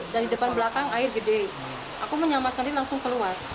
dari depan belakang air gede aku menyelamatkan diri langsung keluar